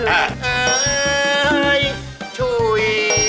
เฮ้ยชุย